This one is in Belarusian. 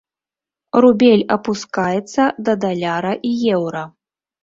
Рубель апускаецца да даляра і еўра.